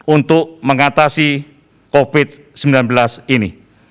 untuk mengatasi covid sembilan belas ini